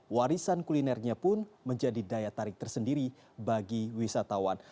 warisan kulinernya pun menjadi daya tarik tersendiri bagi wisatawan